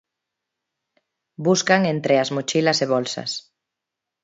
Buscan entre as mochilas e bolsas.